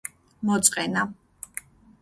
მოწყენა